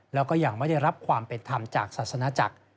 แล้วก็ยังไม่ได้รับความเป็นธรรมจากศาสนาจักร